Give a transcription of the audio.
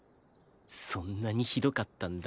そんなにひどかったんだ。